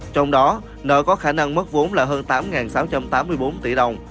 trong đó nợ có khả năng mất vốn là hơn tám sáu trăm tám mươi bốn tỷ đồng